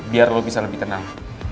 biar lo bisa lebih tenang